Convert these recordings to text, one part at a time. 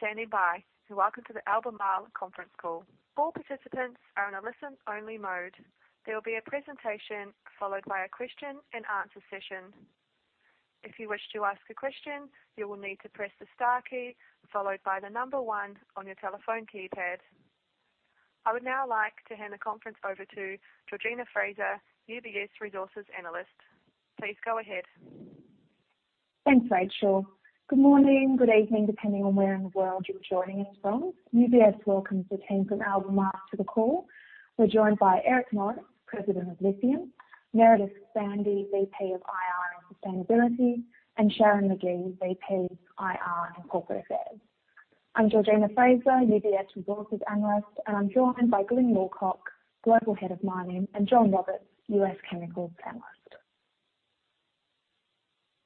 Thank you for standing by, and welcome to the Albemarle conference call. All participants are in a listen-only mode. There will be a presentation followed by a question-and-answer session. If you wish to ask a question, you will need to press the star key followed by the number 1 on your telephone keypad. I would now like to hand the conference over to Georgina Fraser, UBS Resources Analyst. Please go ahead. Thanks, Rachel. Good morning, good evening, depending on where in the world you're joining us from. UBS welcomes the team from Albemarle to the call. We're joined by Eric Norris, President of Lithium, Meredith Bandy, VP of IR and Sustainability, and Sharon McGee, VP of IR and Corporate Affairs. I'm Georgina Fraser, UBS Resources Analyst, and I'm joined by Glyn Lawcock, Global Head of Mining, and John Roberts, U.S. Chemicals Analyst.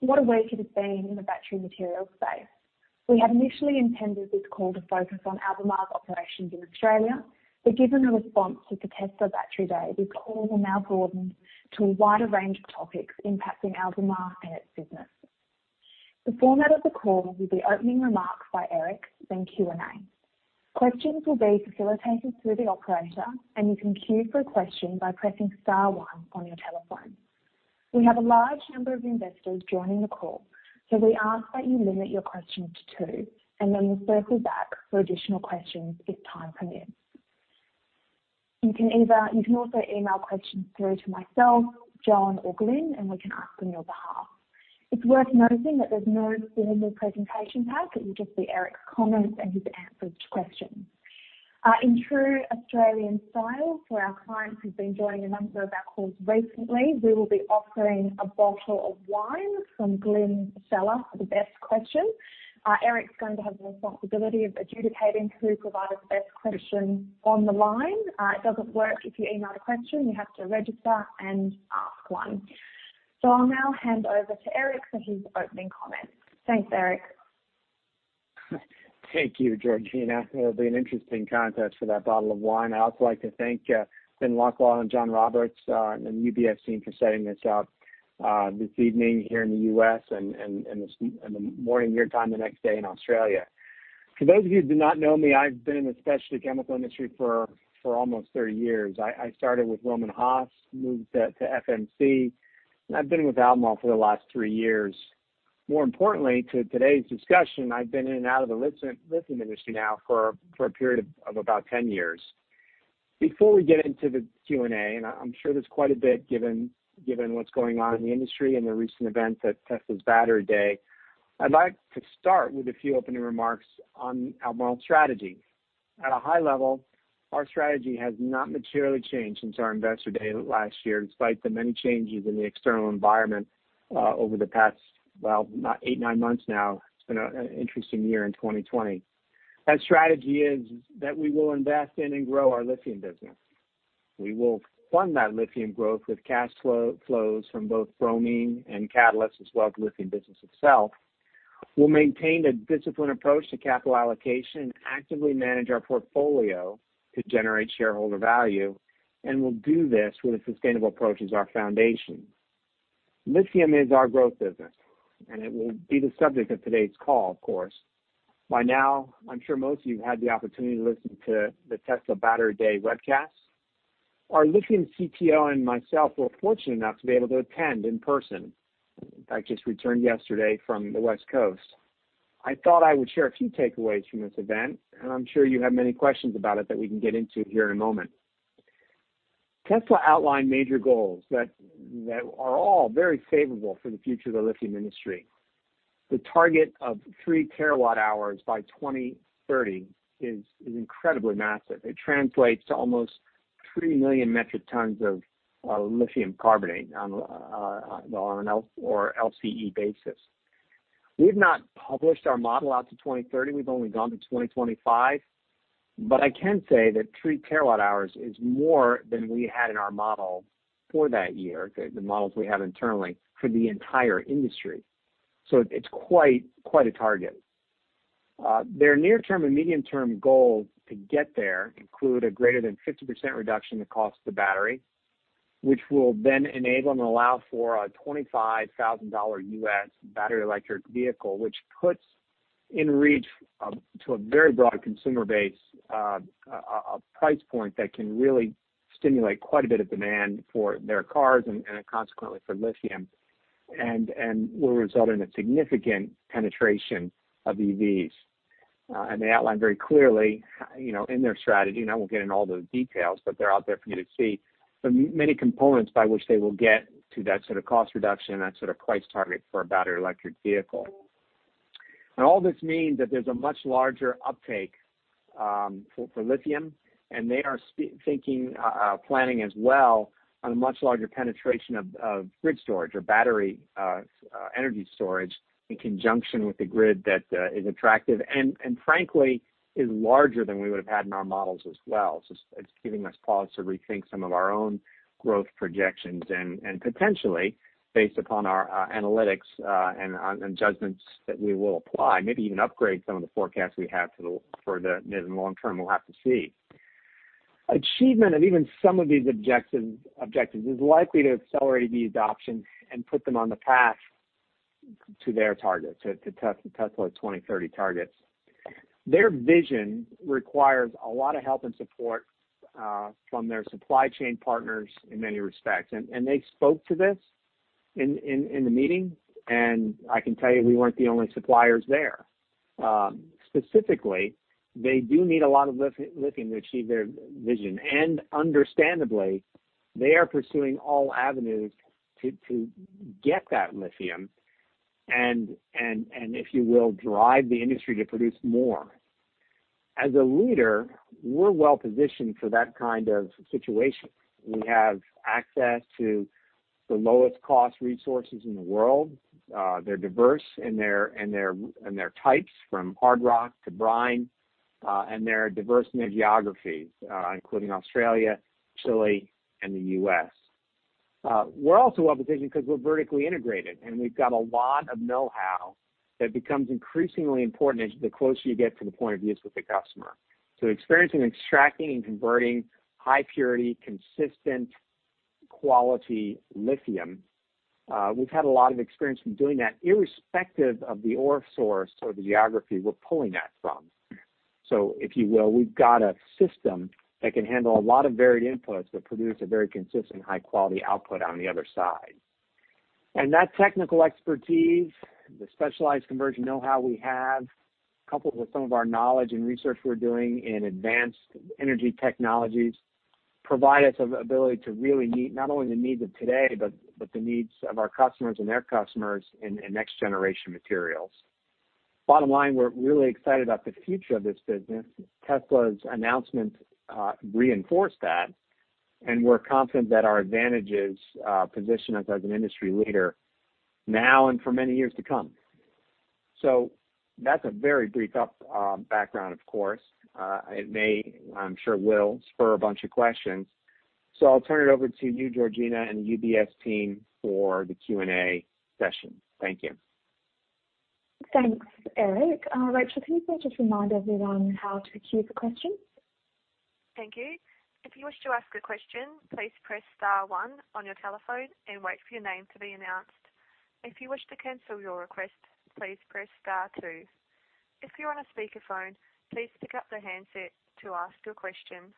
What a week it has been in the battery materials space. We had initially intended this call to focus on Albemarle operations in Australia, but given the response to the Tesla Battery Day, this call will now broaden to a wider range of topics impacting Albemarle and its business. The format of the call will be opening remarks by Eric, then Q&A. Questions will be facilitated through the operator, and you can queue for a question by pressing star one on your telephone. We have a large number of investors joining the call, so we ask that you limit your questions to two, and then we'll circle back for additional questions if time permits. You can also email questions through to myself, John, or Glyn, and we can ask on your behalf. It's worth noting that there's no formal presentation pack. It will just be Eric's comments and his answers to questions. In true Australian style, for our clients who've been joining a number of our calls recently, we will be offering a bottle of wine from Glyn's cellar for the best question. Eric's going to have the responsibility of adjudicating who provided the best question on the line. It doesn't work if you email the question. You have to register and ask one. I'll now hand over to Eric for his opening comments. Thanks, Eric. Thank you, Georgina. It'll be an interesting contest for that bottle of wine. I'd also like to thank Glyn Lawcock and John Roberts and the UBS team for setting this up this evening here in the U.S. and the morning your time the next day in Australia. For those of you who do not know me, I've been in the specialty chemical industry for almost 30 years. I started with Rohm and Haas, moved to FMC, and I've been with Albemarle for the last three years. More importantly to today's discussion, I've been in and out of the lithium industry now for a period of about 10 years. Before we get into the Q&A, and I'm sure there's quite a bit given what's going on in the industry and the recent event at Tesla's Battery Day, I'd like to start with a few opening remarks on Albemarle's strategy. At a high level, our strategy has not materially changed since our investor day last year, despite the many changes in the external environment over the past, well, eight, nine months now. It's been an interesting year in 2020. That strategy is that we will invest in and grow our lithium business. We will fund that lithium growth with cash flows from both bromine and catalysts, as well as the lithium business itself. We'll maintain a disciplined approach to capital allocation and actively manage our portfolio to generate shareholder value. We'll do this with a sustainable approach as our foundation. Lithium is our growth business. It will be the subject of today's call, of course. By now, I'm sure most of you have had the opportunity to listen to the Tesla Battery Day webcast. Our lithium CTO and myself were fortunate enough to be able to attend in person. Just returned yesterday from the West Coast. I thought I would share a few takeaways from this event, and I'm sure you have many questions about it that we can get into here in a moment. Tesla outlined major goals that are all very favorable for the future of the lithium industry. The target of three terawatt-hours by 2030 is incredibly massive. It translates to almost three million metric tons of lithium carbonate on an LCE basis. We've not published our model out to 2030. We've only gone to 2025. I can say that three terawatt-hours is more than we had in our model for that year, the models we have internally, for the entire industry. It's quite a target. Their near-term and medium-term goals to get there include a greater than 50% reduction in the cost of the battery, which will then enable and allow for a $25,000 U.S. battery electric vehicle, which puts in reach to a very broad consumer base a price point that can really stimulate quite a bit of demand for their cars and consequently for lithium and will result in a significant penetration of EVs. They outlined very clearly in their strategy, and I won't get into all the details, but they're out there for you to see, the many components by which they will get to that sort of cost reduction and that sort of price target for a battery electric vehicle. All this means that there's a much larger uptake for lithium, and they are thinking, planning as well on a much larger penetration of grid storage or battery energy storage in conjunction with the grid that is attractive and frankly, is larger than we would have had in our models as well. It's giving us pause to rethink some of our own growth projections and potentially, based upon our analytics and judgments that we will apply, maybe even upgrade some of the forecasts we have for the near and long term. We'll have to see. Achievement of even some of these objectives is likely to accelerate the adoption and put them on the path to their target, to Tesla 2030 targets. Their vision requires a lot of help and support from their supply chain partners in many respects. They spoke to this in the meeting, and I can tell you we weren't the only suppliers there. Specifically, they do need a lot of lithium to achieve their vision, and understandably, they are pursuing all avenues to get that lithium and, if you will, drive the industry to produce more. As a leader, we're well-positioned for that kind of situation. We have access to the lowest cost resources in the world. They're diverse in their types, from hard rock to brine, and they're diverse in their geographies, including Australia, Chile, and the U.S. We're also well-positioned because we're vertically integrated, and we've got a lot of know-how that becomes increasingly important the closer you get to the point of use with the customer. Experiencing extracting and converting high purity, consistent quality lithium. We've had a lot of experience from doing that irrespective of the ore source or the geography we're pulling that from. If you will, we've got a system that can handle a lot of varied inputs that produce a very consistent high quality output on the other side. That technical expertise, the specialized conversion knowhow we have, coupled with some of our knowledge and research we're doing in advanced energy technologies, provide us ability to really meet not only the needs of today, but the needs of our customers and their customers in next generation materials. Bottom line, we're really excited about the future of this business. Tesla's announcement reinforced that, and we're confident that our advantages position us as an industry leader now and for many years to come. That's a very brief background of course. It may, I'm sure will, spur a bunch of questions. I'll turn it over to you, Georgina, and the UBS team for the Q&A session. Thank you. Thanks, Eric. Rachel, can you please just remind everyone how to queue for questions? Thank you. If you wish to ask a question, please press star one on your telephone and wait for your name to be announced. If you wish to cancel your request, please press star two. If you're on a speakerphone, please pick up the handset to ask your question.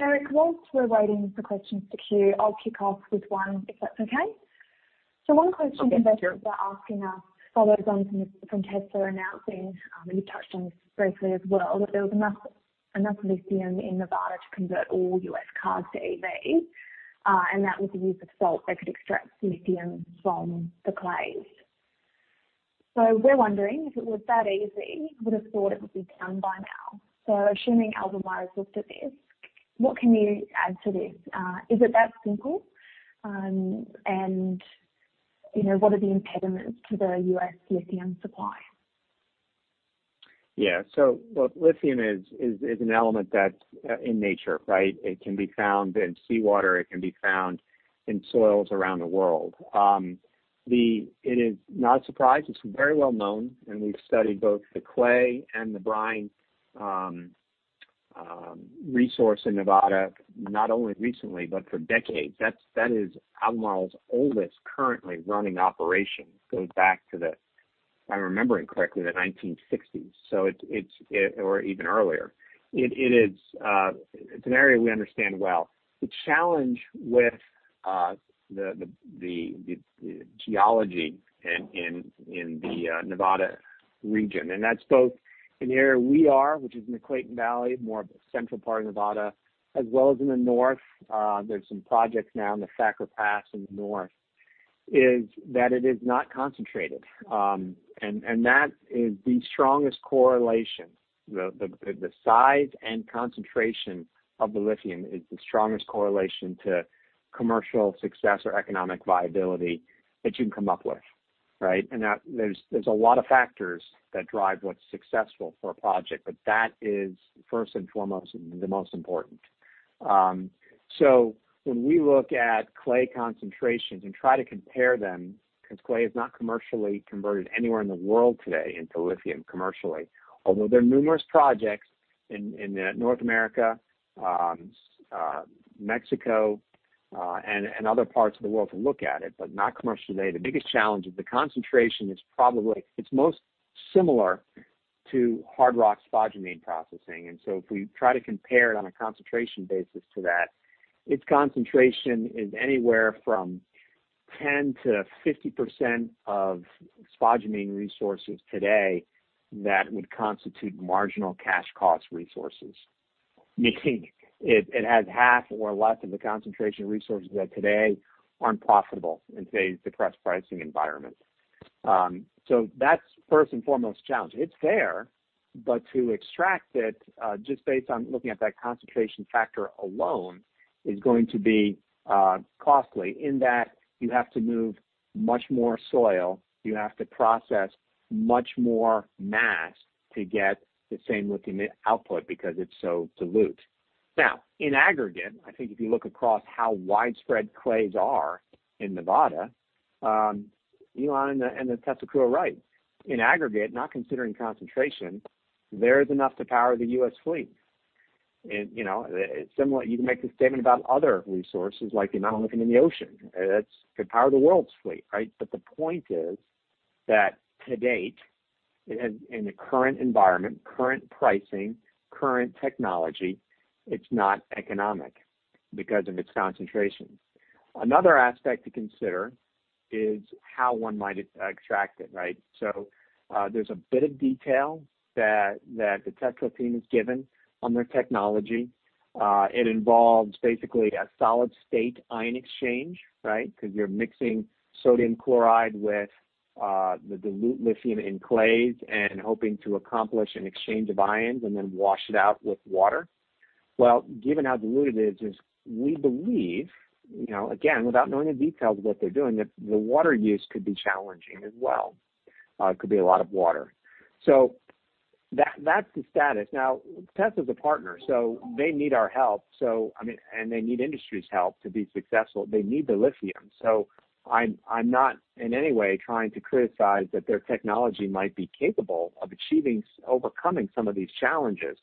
Eric, whilst we're waiting for questions to queue, I'll kick off with one, if that's okay. Okay, sure. investors are asking us follows on from Tesla announcing, you touched on this briefly as well, that there was enough lithium in Nevada to convert all U.S. cars to EVs, and that with the use of salt, they could extract lithium from the clays. We're wondering, if it was that easy, would have thought it would be done by now. Assuming Albemarle has looked at this, what can you add to this? Is it that simple? What are the impediments to the U.S. lithium supply? Yeah. Lithium is an element that's in nature, right? It can be found in seawater. It can be found in soils around the world. It is not a surprise. It's very well known, and we've studied both the clay and the brine resource in Nevada, not only recently, but for decades. That is Albemarle's oldest currently running operation, goes back to the, if I remember it correctly, the 1960s. Or even earlier. It's an area we understand well. The challenge with the geology in the Nevada region, and that's both an area we are, which is in the Clayton Valley, more of the central part of Nevada, as well as in the north. There's some projects now in the Thacker Pass in the north, is that it is not concentrated. That is the strongest correlation, the size and concentration of the lithium is the strongest correlation to commercial success or economic viability that you can come up with. Right? There's a lot of factors that drive what's successful for a project, but that is first and foremost the most important. When we look at clay concentrations and try to compare them, because clay is not commercially converted anywhere in the world today into lithium commercially. Although there are numerous projects in North America, Mexico, and other parts of the world to look at it, but not commercial today. The biggest challenge is the concentration is most similar to hard rock spodumene processing. If we try to compare it on a concentration basis to that, its concentration is anywhere from 10%-50% of spodumene resources today that would constitute marginal cash cost resources, meaning it has half or less of the concentration resources that today aren't profitable in today's depressed pricing environment. That's first and foremost challenge. It's there, but to extract it, just based on looking at that concentration factor alone, is going to be costly in that you have to move much more soil, you have to process much more mass to get the same lithium output because it's so dilute. In aggregate, I think if you look across how widespread clays are in Nevada, Elon and Tesla are right. In aggregate, not considering concentration, there is enough to power the U.S. fleet. Similarly, you can make the statement about other resources, like the amount of lithium in the ocean. That could power the world's fleet, right? The point is that to date, in the current environment, current pricing, current technology, it's not economic because of its concentration. Another aspect to consider is how one might extract it, right? There's a bit of detail that the Tesla team has given on their technology. It involves basically a solid-state ion exchange, right? You're mixing sodium chloride with the dilute lithium in clays and hoping to accomplish an exchange of ions and then wash it out with water. Well, given how diluted it is, we believe, again, without knowing the details of what they're doing, that the water use could be challenging as well. It could be a lot of water. That's the status. Tesla's a partner, they need our help. They need the industry's help to be successful. They need the lithium. I'm not in any way trying to criticize that their technology might be capable of overcoming some of these challenges.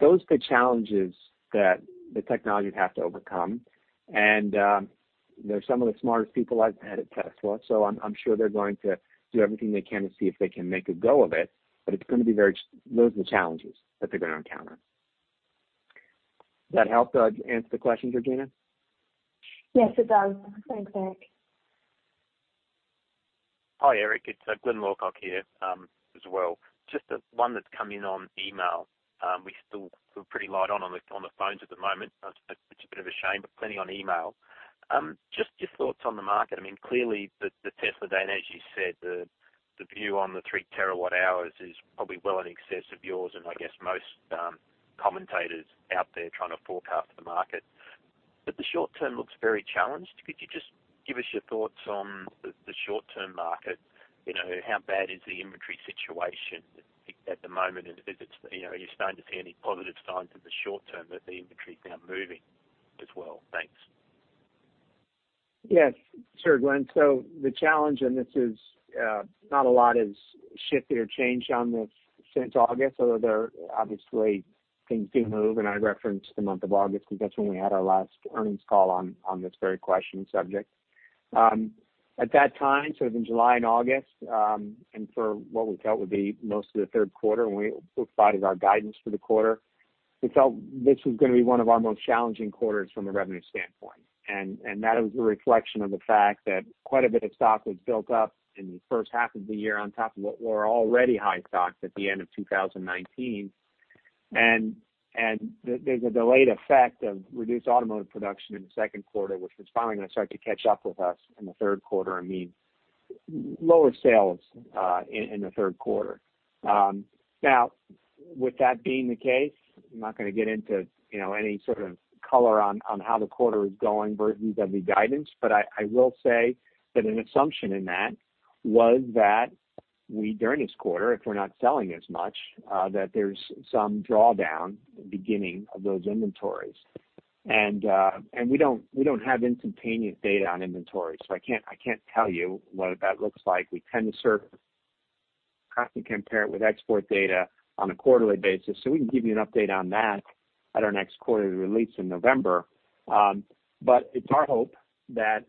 Those are the challenges that the technology would have to overcome. They're some of the smartest people I've met at Tesla, I'm sure they're going to do everything they can to see if they can make a go of it, those are the challenges that they're going to encounter. Does that help answer the question, Georgina? Yes, it does. Thanks, Eric. Hi, Eric. It's Glyn Lawcock here as well. Just one that's come in on email. We still feel pretty light on the phones at the moment. It's a bit of a shame, but plenty on email. Just your thoughts on the market. Clearly the Tesla day, and as you said, the view on the 3 terawatt hours is probably well in excess of yours and I guess most commentators out there trying to forecast the market. The short term looks very challenged. Could you just give us your thoughts on the short-term market? How bad is the inventory situation at the moment, and are you starting to see any positive signs in the short term that the inventory is now moving as well? Thanks. Yes, sure, Glyn. The challenge, and not a lot has shifted or changed on this since August, although obviously things do move, and I reference the month of August because that's when we had our last earnings call on this very question subject. At that time, sort of in July and August, and for what we felt would be most of the third quarter, and we provided our guidance for the quarter, we felt this was going to be one of our most challenging quarters from a revenue standpoint. That was a reflection of the fact that quite a bit of stock was built up in the first half of the year on top of what were already high stocks at the end of 2019. There's a delayed effect of reduced automotive production in the second quarter, which was finally going to start to catch up with us in the third quarter and mean lower sales in the third quarter. With that being the case, I'm not going to get into any sort of color on how the quarter is going vis-a-vis guidance, but I will say that an assumption in that was that during this quarter, if we're not selling as much, that there's some drawdown beginning of those inventories. We don't have instantaneous data on inventory, so I can't tell you what that looks like. We tend to constantly compare it with export data on a quarterly basis. We can give you an update on that at our next quarterly release in November. It's our hope that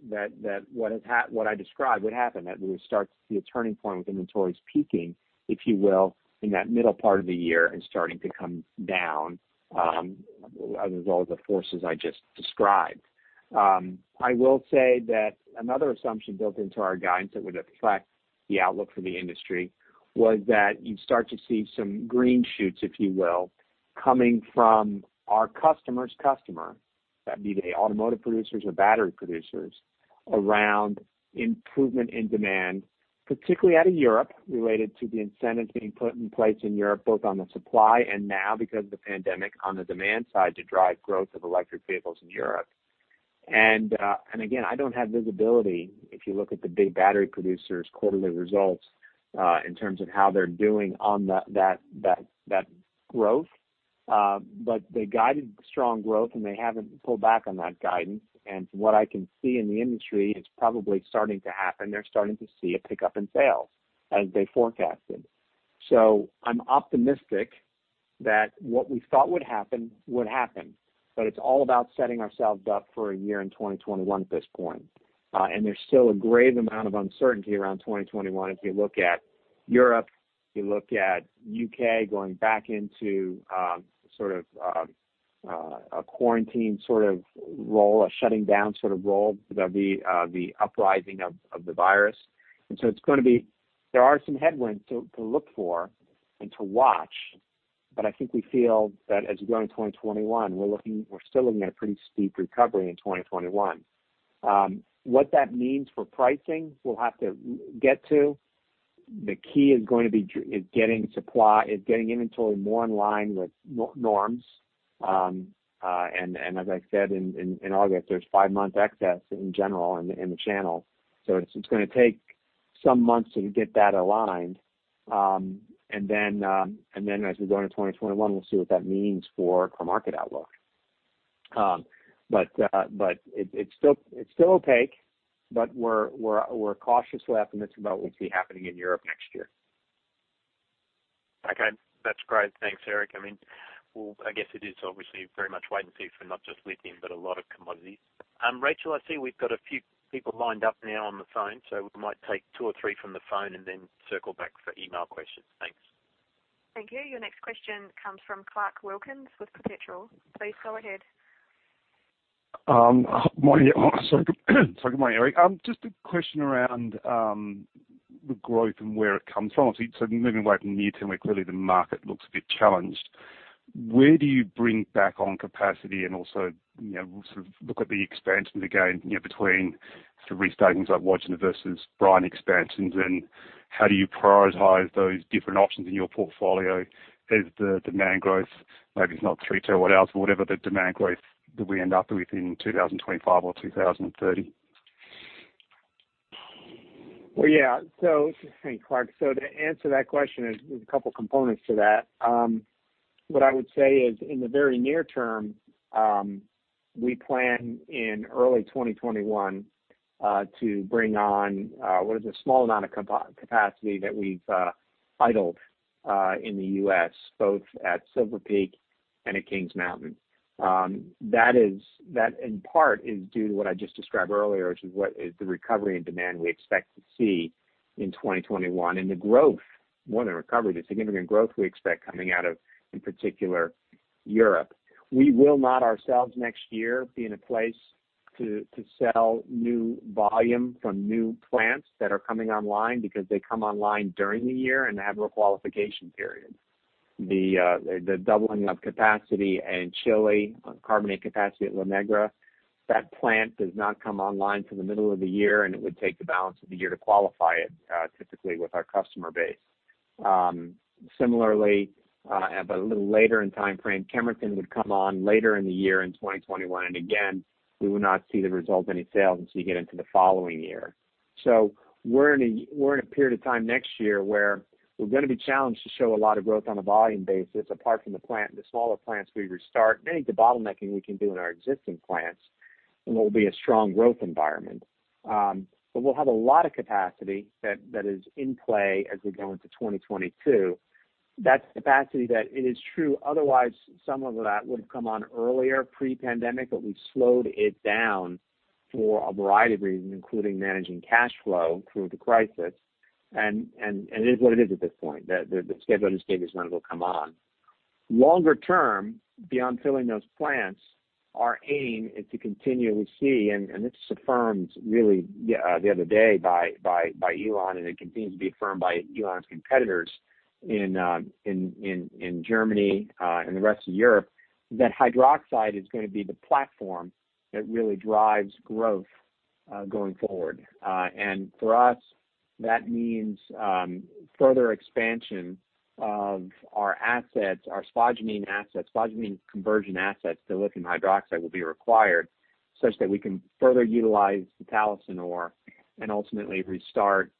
what I described would happen, that we would start to see a turning point with inventories peaking, if you will, in that middle part of the year and starting to come down as all the forces I just described. I will say that another assumption built into our guidance that would affect the outlook for the industry was that you'd start to see some green shoots, if you will, coming from our customer's customer, that'd be the automotive producers or battery producers, around improvement in demand, particularly out of Europe, related to the incentives being put in place in Europe, both on the supply and now because of the pandemic on the demand side to drive growth of electric vehicles in Europe. Again, I don't have visibility if you look at the big battery producers' quarterly results in terms of how they're doing on that growth. They guided strong growth, and they haven't pulled back on that guidance. From what I can see in the industry, it's probably starting to happen. They're starting to see a pickup in sales as they forecasted. I'm optimistic that what we thought would happen would happen. It's all about setting ourselves up for a year in 2021 at this point. There's still a great amount of uncertainty around 2021 if you look at Europe, if you look at U.K. going back into sort of a quarantine role, a shutting down role because of the uprising of the virus. There are some headwinds to look for and to watch. I think we feel that as we go into 2021, we're still looking at a pretty steep recovery in 2021. What that means for pricing, we'll have to get to. The key is getting inventory more in line with norms. As I said in August, there's five months excess in general in the channel. It's going to take some months to get that aligned. Then as we go into 2021, we'll see what that means for our market outlook. It's still opaque, but we're cautiously optimistic about what we see happening in Europe next year. Okay. That's great. Thanks, Eric. Well, I guess it is obviously very much wait and see for not just lithium but a lot of commodities. Rachel, I see we've got a few people lined up now on the phone, so we might take two or three from the phone and then circle back for email questions. Thanks. Thank you. Your next question comes from Clarke Wilkins with Perpetual. Please go ahead. Sorry. Good morning, Eric. Just a question around the growth and where it comes from. Obviously, moving away from near term, where clearly the market looks a bit challenged, where do you bring back on capacity and also, sort of look at the expansions again between sort of restartings like Wodgina versus brine expansions, and how do you prioritize those different options in your portfolio as the demand growth maybe is not three terawatts, but whatever the demand growth that we end up with in 2025 or 2030? Yeah. Hey, Clarke. To answer that question, there's a couple components to that. What I would say is in the very near term, we plan in early 2021, to bring on what is a small amount of capacity that we've idled in the U.S., both at Silver Peak and at Kings Mountain. That in part is due to what I just described earlier, which is what is the recovery and demand we expect to see in 2021 and the growth, more than recovery, the significant growth we expect coming out of, in particular, Europe. We will not ourselves next year be in a place to sell new volume from new plants that are coming online because they come online during the year and have a qualification period. The doubling of capacity in Chile, carbonate capacity at La Negra, that plant does not come online till the middle of the year, and it would take the balance of the year to qualify it, typically with our customer base. Similarly, but a little later in timeframe, Kemerton would come on later in the year in 2021, we would not see the result in its sales until you get into the following year. We're in a period of time next year where we're going to be challenged to show a lot of growth on a volume basis apart from the smaller plants we restart, any de-bottlenecking we can do in our existing plants, and we'll be a strong growth environment. We'll have a lot of capacity that is in play as we go into 2022. That's capacity that it is true, otherwise, some of that would have come on earlier pre-pandemic, but we've slowed it down for a variety of reasons, including managing cash flow through the crisis. It is what it is at this point. The scheduled and staged is when it will come on. Longer term, beyond filling those plants, our aim is to continually see, and this affirmed really the other day by Elon and it continues to be affirmed by Elon's competitors in Germany, and the rest of Europe, that hydroxide is going to be the platform that really drives growth going forward. For us, that means further expansion of our assets, our spodumene assets, spodumene conversion assets to lithium hydroxide will be required such that we can further utilize the Talison ore and ultimately restart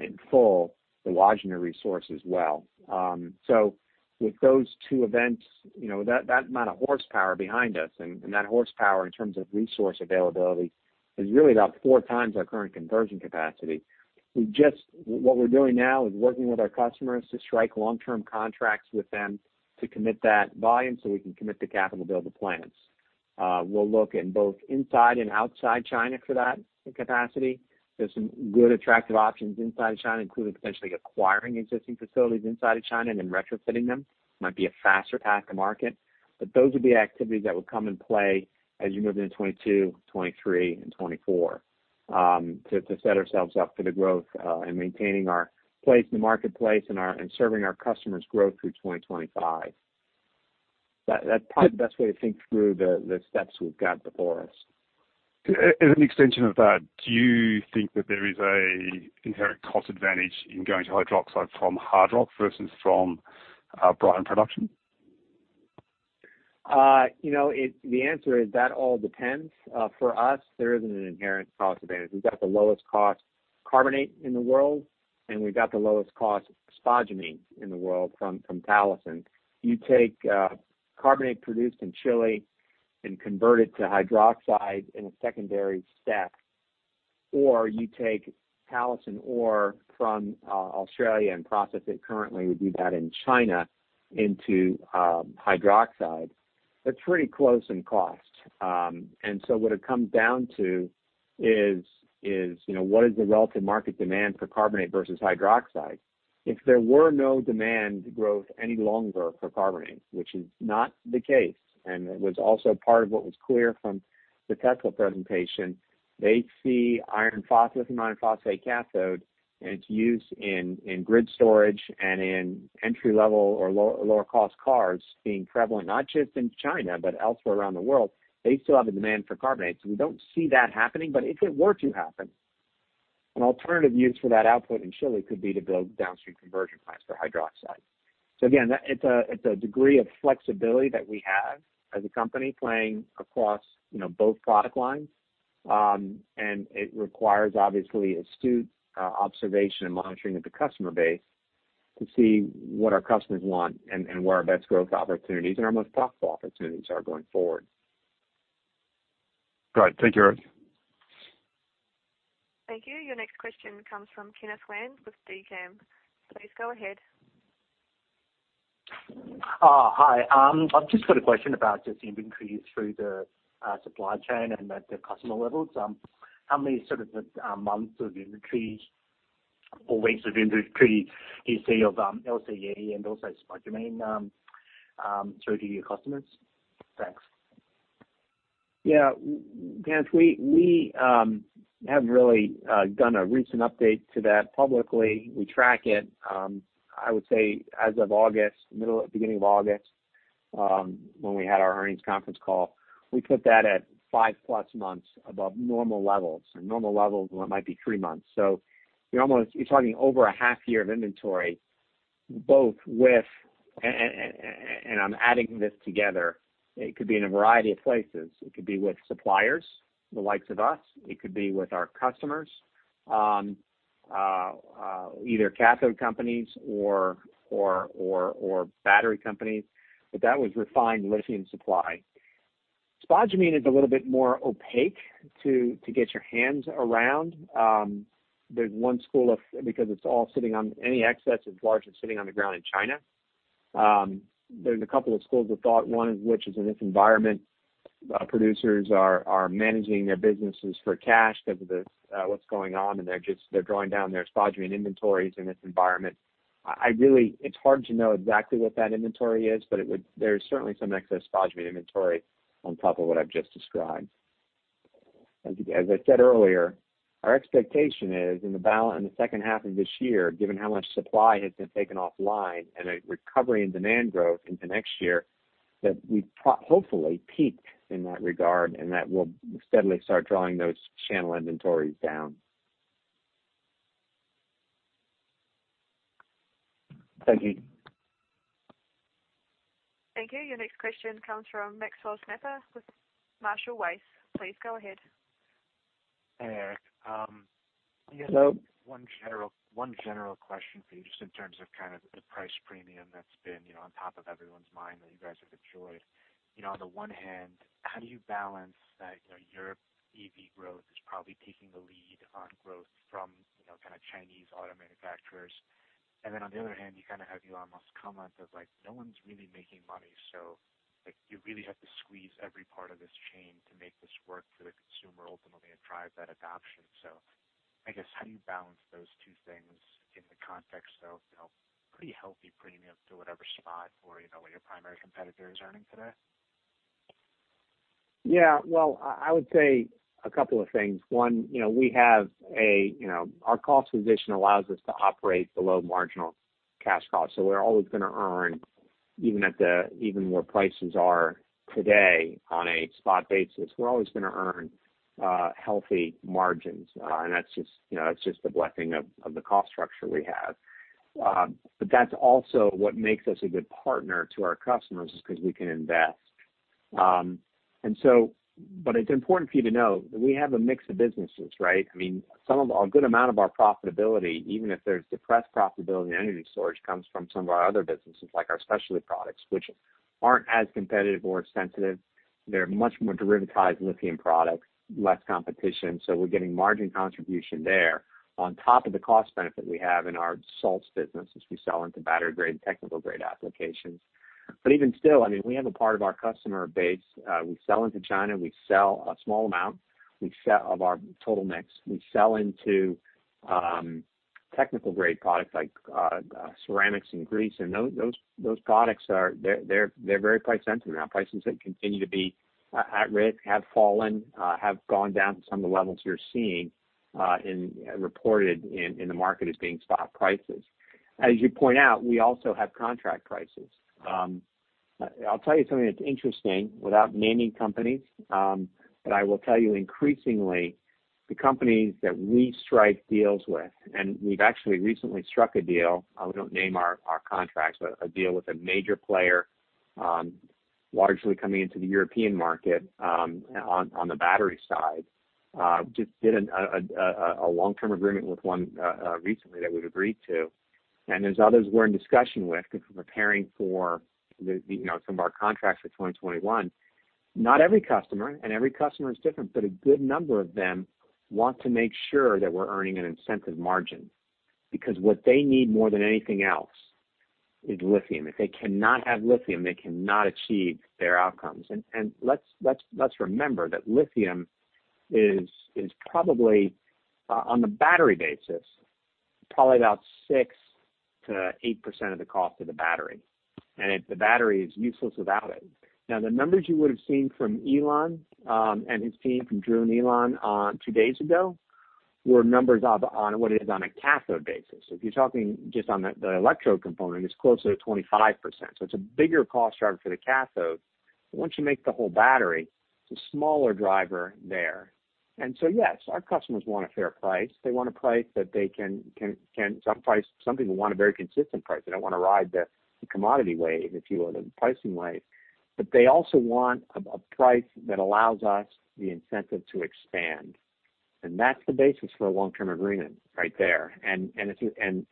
in full the Wodgina resource as well. With those two events, that amount of horsepower behind us and that horsepower in terms of resource availability is really about four times our current conversion capacity. What we're doing now is working with our customers to strike long-term contracts with them to commit that volume so we can commit the capital build the plants. We will look in both inside and outside China for that capacity. There is some good attractive options inside China, including potentially acquiring existing facilities inside of China and then retrofitting them. Might be a faster path to market. Those are the activities that will come in play as you move into 2022, 2023, and 2024 to set ourselves up for the growth and maintaining our place in the marketplace and serving our customers' growth through 2025. That is probably the best way to think through the steps we have got before us. As an extension of that, do you think that there is an inherent cost advantage in going to hydroxide from hard rock versus from brine production? The answer is that all depends. For us, there isn't an inherent cost advantage. We've got the lowest cost carbonate in the world, and we've got the lowest cost spodumene in the world from Talison. You take carbonate produced in Chile and convert it to hydroxide in a secondary step, or you take Talison ore from Australia and process it currently, we do that in China into hydroxide. They're pretty close in cost. What it comes down to is what is the relative market demand for carbonate versus hydroxide? If there were no demand growth any longer for carbonate, which is not the case, and it was also part of what was clear from the Tesla presentation, they see lithium iron phosphate cathode, and it's used in grid storage and in entry-level or lower cost cars being prevalent not just in China but elsewhere around the world. They still have a demand for carbonate. We don't see that happening. If it were to happen, an alternative use for that output in Chile could be to build downstream conversion plants for hydroxide. Again, it's a degree of flexibility that we have as a company playing across both product lines. It requires, obviously, astute observation and monitoring of the customer base to see what our customers want and where our best growth opportunities and our most profitable opportunities are going forward. Got it. Thank you, Eric. Thank you. Your next question comes from Kenneth Wan with DKAM. Please go ahead. Hi. I've just got a question about just the inventory through the supply chain and at the customer levels. How many sort of months of inventory or weeks of inventory do you see of LCE and also spodumene through to your customers? Thanks. Yeah. Kenneth, we haven't really done a recent update to that publicly. We track it. I would say as of August, middle or beginning of August, when we had our earnings conference call, we put that at five-plus months above normal levels. Normal levels might be three months. You're talking over a half year of inventory, both with, and I'm adding this together, it could be in a variety of places. It could be with suppliers, the likes of us. It could be with our customers, either cathode companies or battery companies. That was refined lithium supply. Spodumene is a little bit more opaque to get your hands around. Because any excess is largely sitting on the ground in China. There's a couple of schools of thought, one of which is in this environment, producers are managing their businesses for cash because of what's going on, and they're drawing down their spodumene inventories in this environment. It's hard to know exactly what that inventory is. There's certainly some excess spodumene inventory on top of what I've just described. As I said earlier, our expectation is in the second half of this year, given how much supply has been taken offline and a recovery in demand growth into next year, that we've hopefully peaked in that regard and that we'll steadily start drawing those channel inventories down. Thank you. Thank you. Your next question comes from Maxime Boucher with Marshall Wace. Please go ahead. Hey, Eric. Hello. One general question for you, just in terms of the price premium that's been on top of everyone's mind that you guys have enjoyed. On the one hand, how do you balance that Europe EV growth is probably taking the lead on growth from Chinese auto manufacturers. Then on the other hand, you kind of have your almost comment of like, no one's really making money. You really have to squeeze every part of this chain to make this work for the consumer ultimately and drive that adoption. I guess, how do you balance those two things in the context of pretty healthy premium to whatever spot or what your primary competitor is earning today? Yeah, well, I would say a couple of things. One, our cost position allows us to operate below marginal cash costs. We're always going to earn, even where prices are today on a spot basis, we're always going to earn healthy margins. That's just the blessing of the cost structure we have. That's also what makes us a good partner to our customers is because we can invest. It's important for you to know that we have a mix of businesses, right? A good amount of our profitability, even if there's depressed profitability in energy storage, comes from some of our other businesses, like our specialty products, which aren't as competitive or sensitive. They're much more derivatized lithium products, less competition. We're getting margin contribution there on top of the cost benefit we have in our salts business, which we sell into battery grade and technical grade applications. Even still, we have a part of our customer base. We sell into China. We sell a small amount of our total mix. We sell into technical grade products like ceramics and grease, and those products, they're very price sensitive. Our prices that continue to be at risk have fallen, have gone down to some of the levels you're seeing reported in the market as being spot prices. As you point out, we also have contract prices. I'll tell you something that's interesting without naming companies, but I will tell you increasingly, the companies that we strike deals with, and we've actually recently struck a deal. We don't name our contracts, a deal with a major player largely coming into the European market on the battery side. Just did a long-term agreement with one recently that we've agreed to. There's others we're in discussion with because we're preparing for some of our contracts for 2021. Not every customer, and every customer is different, but a good number of them want to make sure that we're earning an incentive margin because what they need more than anything else is lithium. If they cannot have lithium, they cannot achieve their outcomes. Let's remember that lithium is probably, on the battery basis, probably about 6%-8% of the cost of the battery. The battery is useless without it. The numbers you would have seen from Elon and his team, from Drew and Elon two days ago, were numbers on what it is on a cathode basis. If you're talking just on the electrode component, it's closer to 25%. It's a bigger cost driver for the cathode. Once you make the whole battery, it's a smaller driver there. Yes, our customers want a fair price. Some people want a very consistent price. They don't want to ride the commodity wave, if you will, the pricing wave. They also want a price that allows us the incentive to expand. That's the basis for a long-term agreement right there.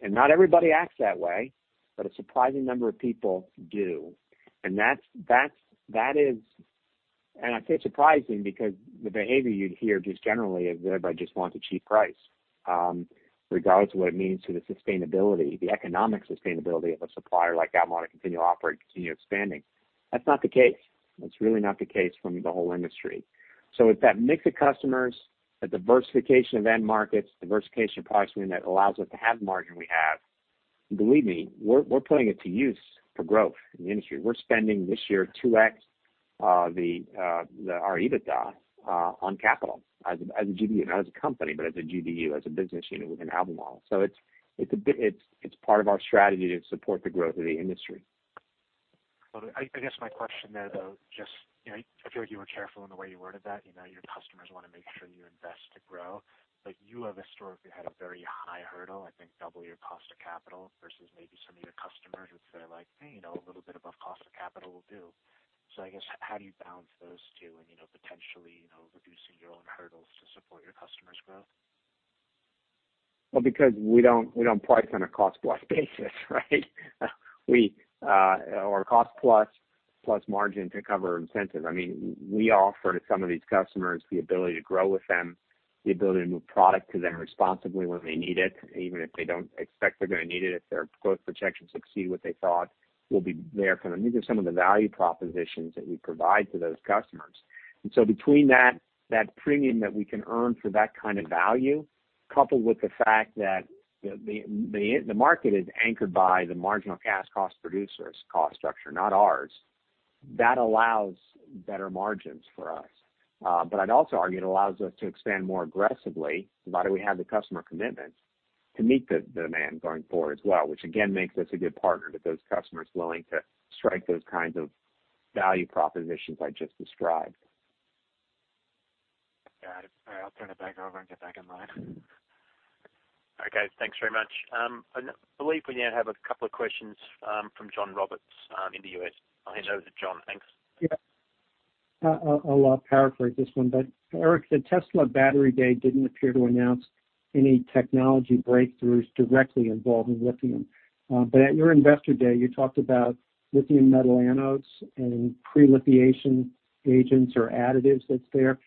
Not everybody acts that way, but a surprising number of people do. I say surprising because the behavior you'd hear just generally is everybody just wants a cheap price, regardless of what it means to the sustainability, the economic sustainability of a supplier like Albemarle to continue to operate, continue expanding. That's not the case. That's really not the case from the whole industry. It's that mix of customers, the diversification of end markets, diversification of pricing that allows us to have the margin we have. Believe me, we're putting it to use for growth in the industry. We're spending this year 2x our EBITDA on capital as a GBU, not as a company, but as a GBU, as a business unit within Albemarle. It's part of our strategy to support the growth of the industry. I guess my question there, though, just I feel like you were careful in the way you worded that. Your customers want to make sure you invest to grow. You have historically had a very high hurdle, I think double your cost of capital versus maybe some of your customers who say, like, "Hey, a little bit above cost of capital will do." I guess, how do you balance those two and potentially reducing your own hurdles to support your customers' growth? Well, because we don't price on a cost-plus basis, right? Cost-plus, plus margin to cover incentive. We offer to some of these customers the ability to grow with them, the ability to move product to them responsibly when they need it, even if they don't expect they're going to need it, if their growth projections exceed what they thought, we'll be there for them. These are some of the value propositions that we provide to those customers. Between that premium that we can earn for that kind of value, coupled with the fact that the market is anchored by the marginal cash cost producer's cost structure, not ours, that allows better margins for us. I'd also argue it allows us to expand more aggressively, now that we have the customer commitment, to meet the demand going forward as well, which again makes us a good partner to those customers willing to strike those kinds of value propositions I just described. Got it. All right, I'll turn it back over and get back in line. Okay. Thanks very much. I believe we now have a couple of questions from John Roberts in the U.S. I'll hand over to John. Thanks. Yeah. I'll paraphrase this one, Eric, the Tesla Battery Day didn't appear to announce any technology breakthroughs directly involving lithium. At your investor day, you talked about lithium metal anodes and pre-lithiation agents or additives that's there.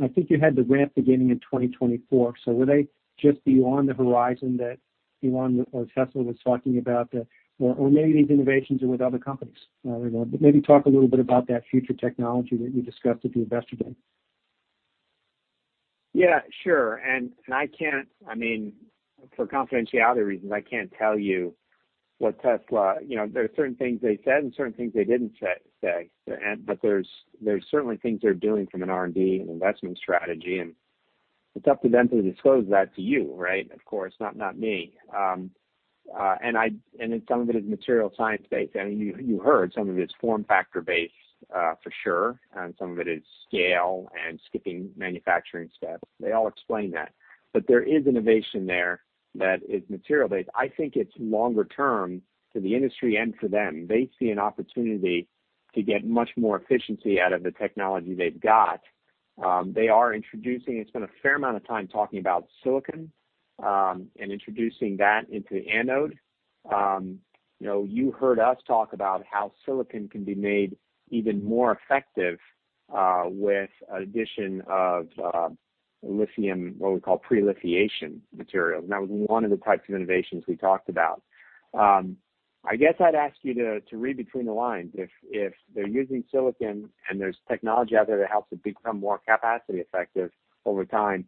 I think you had the ramp beginning in 2024. Were they just beyond the horizon that Elon or Tesla was talking about? Maybe these innovations are with other companies. Maybe talk a little bit about that future technology that you discussed at the investor day. Yeah, sure. For confidentiality reasons, I can't tell you what Tesla. There are certain things they said and certain things they didn't say. There's certainly things they're doing from an R&D and investment strategy, and it's up to them to disclose that to you, right? Of course, not me. Some of it is material science-based. You heard some of it's form factor based for sure, and some of it is scale and skipping manufacturing steps. They all explained that. There is innovation there that is material-based. I think it's longer term for the industry and for them. They see an opportunity to get much more efficiency out of the technology they've got. They spent a fair amount of time talking about silicon, and introducing that into the anode. You heard us talk about how silicon can be made even more effective with addition of lithium, what we call pre-lithiation materials. That was one of the types of innovations we talked about. I guess I'd ask you to read between the lines. If they're using silicon and there's technology out there that helps it become more capacity effective over time,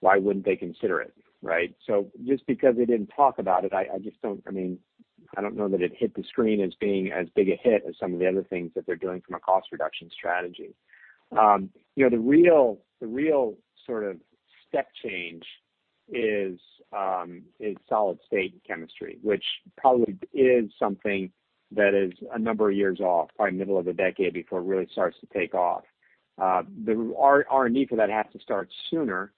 why wouldn't they consider it, right? Just because they didn't talk about it, I don't know that it hit the screen as being as big a hit as some of the other things that they're doing from a cost reduction strategy. The real sort of step change is solid state chemistry, which probably is something that is a number of years off, probably middle of the decade before it really starts to take off. Our need for that has to start sooner.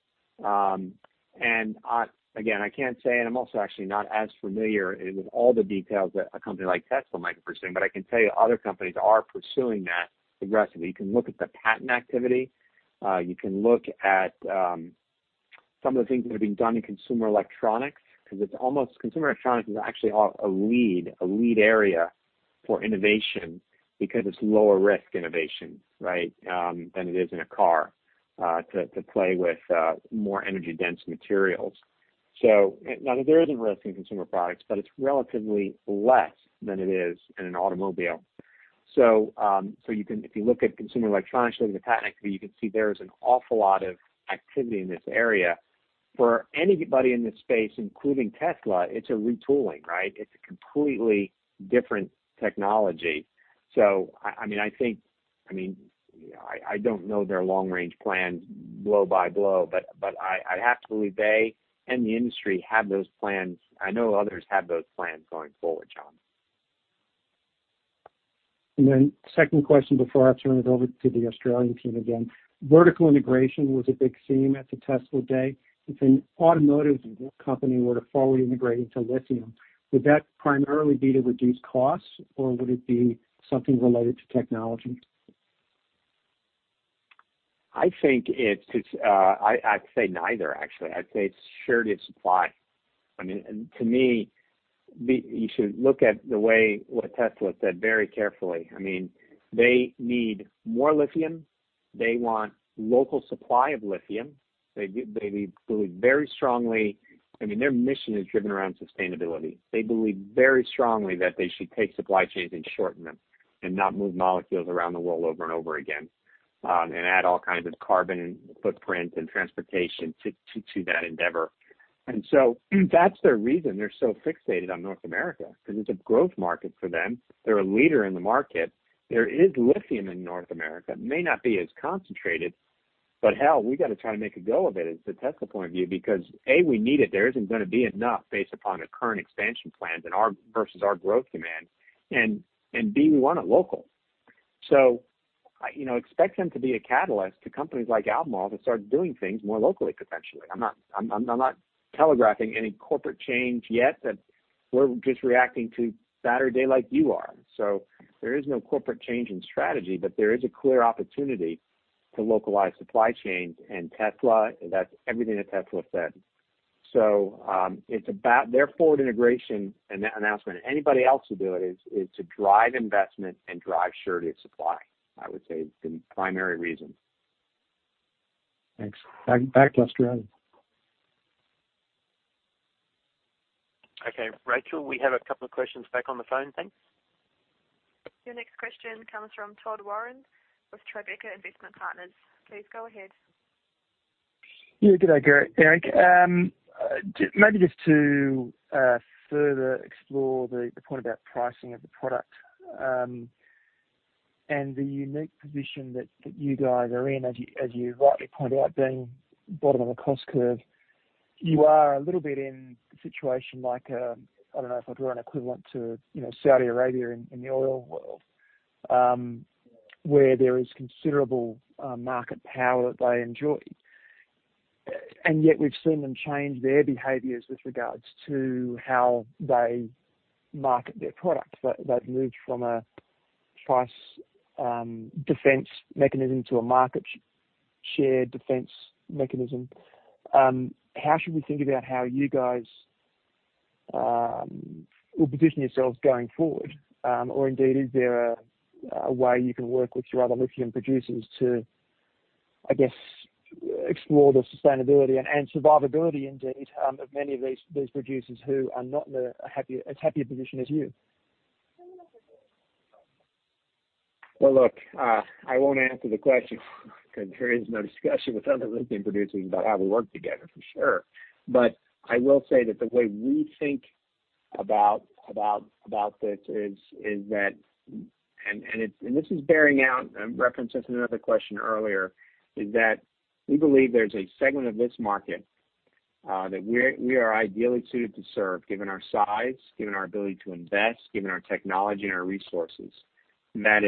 Again, I can't say, and I'm also actually not as familiar with all the details that a company like Tesla might be pursuing, but I can tell you other companies are pursuing that aggressively. You can look at the patent activity. You can look at some of the things that are being done in consumer electronics, because consumer electronics is actually a lead area for innovation because it's lower risk innovation than it is in a car to play with more energy-dense materials. Now there is a risk in consumer products, but it's relatively less than it is in an automobile. If you look at consumer electronics, look at the patent activity, you can see there is an awful lot of activity in this area. For anybody in this space, including Tesla, it's a retooling, right? It's a completely different technology. I don't know their long-range plans blow by blow, but I'd have to believe they and the industry have those plans. I know others have those plans going forward, John. Second question before I turn it over to the Australian team again. Vertical integration was a big theme at the Battery Day. If an automotive company were to forward integrate into lithium, would that primarily be to reduce costs or would it be something related to technology? I'd say neither, actually. I'd say it's surety of supply. To me, you should look at the way what Tesla said very carefully. They need more lithium. They want local supply of lithium. Their mission is driven around sustainability. They believe very strongly that they should take supply chains and shorten them and not move molecules around the world over and over again, and add all kinds of carbon footprint and transportation to that endeavor. That's their reason they're so fixated on North America, because it's a growth market for them. They're a leader in the market. There is lithium in North America. It may not be as concentrated, but hell, we got to try to make a go of it is the Tesla point of view, because, A, we need it there isn't going to be enough based upon the current expansion plans versus our growth demand, and B, we want it local. Expect them to be a catalyst to companies like Albemarle to start doing things more locally, potentially. I'm not telegraphing any corporate change yet. We're just reacting to Saturday like you are. There is no corporate change in strategy, but there is a clear opportunity to localize supply chains, and that's everything that Tesla said. Their forward integration announcement, anybody else will do it, is to drive investment and drive surety of supply, I would say is the primary reason. Thanks. Back to Australia. Okay, Rachel, we have a couple of questions back on the phone, thanks. Your next question comes from Todd Warren with Tribeca Investment Partners. Please go ahead. Good day, Eric. Maybe just to further explore the point about pricing of the product, and the unique position that you guys are in, as you rightly point out, being bottom of the cost curve, you are a little bit in a situation like, I don't know if I'd draw an equivalent to Saudi Arabia in the oil world, where there is considerable market power they enjoy. Yet we've seen them change their behaviors with regards to how they market their product. They've moved from a price defense mechanism to a market share defense mechanism. How should we think about how you guys will position yourselves going forward? Indeed, is there a way you can work with your other lithium producers to, I guess, explore the sustainability and survivability, indeed, of many of these producers who are not in as happy a position as you? Well, look, I won't answer the question because there is no discussion with other lithium producers about how we work together, for sure. I will say that the way we think about this is that, and this is bearing out in reference to another question earlier, is that we believe there's a segment of this market that we are ideally suited to serve, given our size, given our ability to invest, given our technology and our resources, that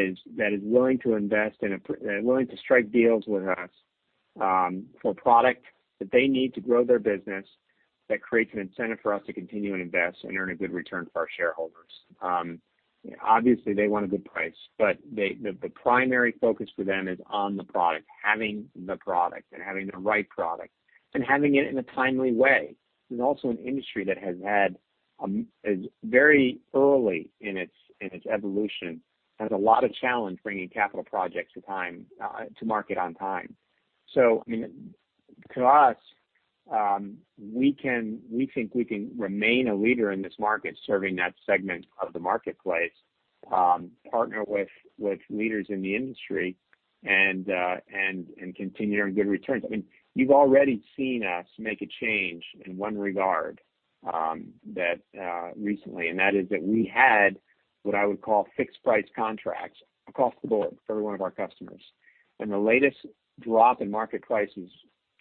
is willing to invest and willing to strike deals with us for product that they need to grow their business that creates an incentive for us to continue and invest and earn a good return for our shareholders. Obviously, they want a good price, but the primary focus for them is on the product, having the product and having the right product, and having it in a timely way. This is also an industry that very early in its evolution, has a lot of challenge bringing capital projects to market on time. To us, we think we can remain a leader in this market, serving that segment of the marketplace, partner with leaders in the industry, and continue earning good returns. You've already seen us make a change in one regard recently, and that is that we had what I would call fixed price contracts across the board for every one of our customers. The latest drop in market prices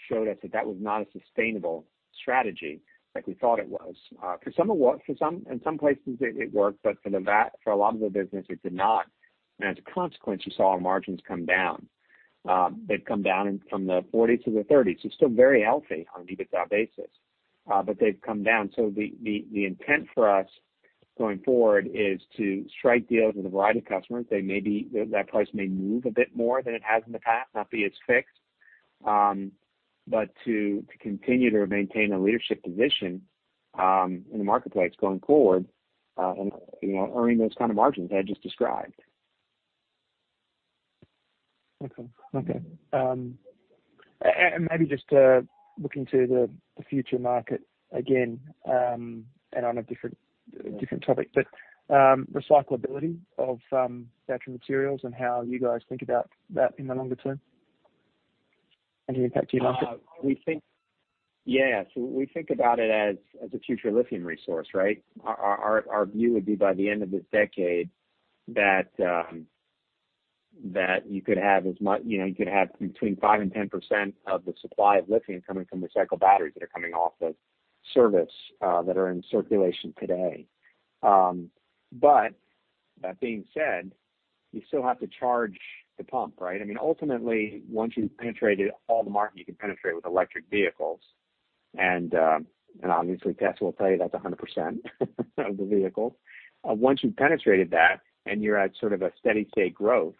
showed us that that was not a sustainable strategy like we thought it was. In some places it worked, but for a lot of the business, it did not. As a consequence, you saw our margins come down. They've come down from the 40s to the 30s. It's still very healthy on an EBITDA basis. They've come down. The intent for us going forward is to strike deals with a variety of customers. That price may move a bit more than it has in the past, not be as fixed. To continue to maintain a leadership position in the marketplace going forward and earning those kind of margins I just described. Okay. Maybe just looking to the future market again, and on a different topic, but recyclability of battery materials and how you guys think about that in the longer term and the impact to your market. Yes. We think about it as a future lithium resource, right? Our view would be by the end of this decade that you could have between 5% and 10% of the supply of lithium coming from recycled batteries that are coming off of service that are in circulation today. That being said, you still have to charge the pump, right? Ultimately, once you've penetrated all the market you can penetrate with electric vehicles, and obviously Tesla will tell you that's 100% of the vehicles. Once you've penetrated that and you're at sort of a steady state growth,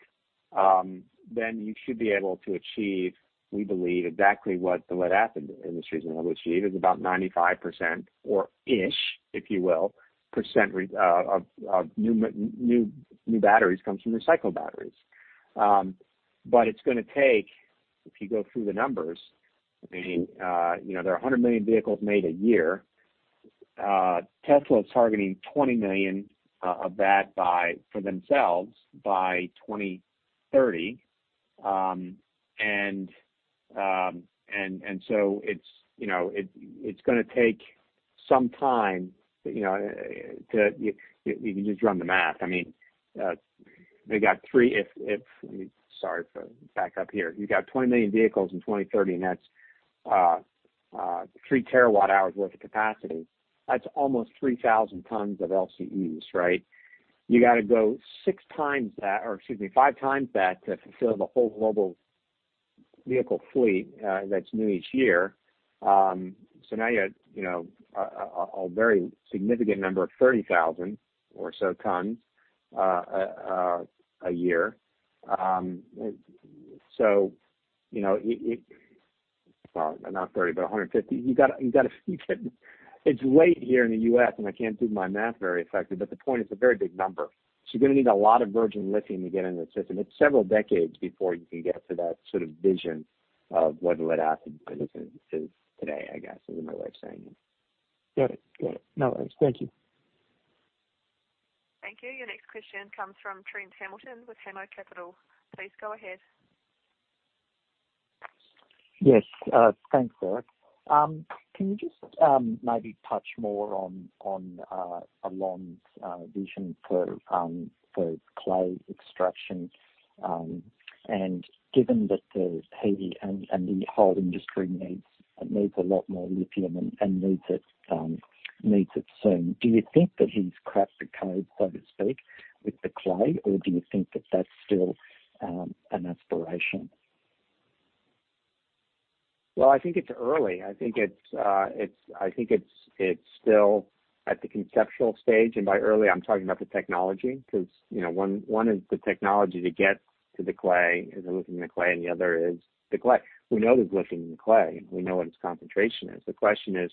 you should be able to achieve, we believe, exactly what the lead-acid industry's been able to achieve, is about 95% or ish, if you will, of new batteries comes from recycled batteries. It's going to take, if you go through the numbers, there are 100 million vehicles made a year. Tesla is targeting 20 million of that for themselves by 2030. It's going to take some time. You can just run the math. Sorry, back up here. You got 20 million vehicles in 2030, and that's 3 terawatt hours worth of capacity. That's almost 3,000 tons of LCEs, right? You got to go 6x that, or excuse me, 5x that to fulfill the whole global vehicle fleet that's new each year. Now you have a very significant number of 30,000 or so tons a year. Sorry, not 30, but 150. It's late here in the U.S., and I can't do my math very effectively. The point, it's a very big number. You're going to need a lot of virgin lithium to get into the system. It's several decades before you can get to that sort of vision of what lead-acid is today, I guess, is what I'm saying. Got it. No worries. Thank you. Thank you. Your next question comes from Trent Hamilton with Hammo Capital. Please go ahead. Yes. Thanks, Sarah. Can you just maybe touch more on Elon's vision for clay extraction? Given that the EV and the whole industry needs a lot more lithium and needs it soon, do you think that he's cracked the code, so to speak, with the clay, or do you think that that's still an aspiration? Well, I think it's early. I think it's still at the conceptual stage. By early, I'm talking about the technology because one is the technology to get to the clay, the lithium in the clay, and the other is the clay. We know there's lithium in the clay. We know what its concentration is. The question is,